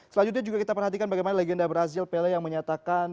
selanjutnya juga kita perhatikan bagaimana legenda brazil pele yang menyatakan